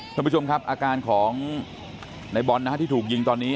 ท่านผู้ชมครับอาการของในบอลนะฮะที่ถูกยิงตอนนี้